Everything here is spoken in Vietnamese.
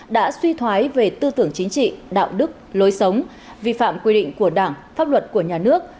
đã suy thoái về tư tưởng chính trị đạo đức lối sống vi phạm quy định của đảng pháp luật của nhà nước